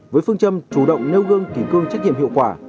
với phương châm chủ động nêu gương kỷ cương trách nhiệm hiệu quả